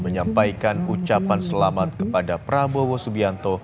menyampaikan ucapan selamat kepada prabowo subianto